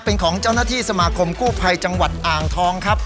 เป็นของเจ้าหน้าที่สมาคมกู้ภัยจังหวัดอ่างทองครับ